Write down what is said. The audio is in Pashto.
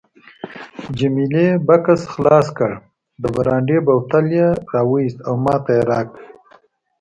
جميله بکس خلاص کړ، د برانډي بوتل یې راوایست او ماته یې راکړ.